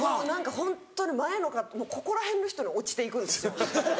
ホントに前のここら辺の人に落ちていくんですよ。